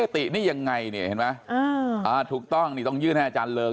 ตินี่ยังไงเนี่ยเห็นไหมถูกต้องนี่ต้องยื่นให้อาจารย์เริง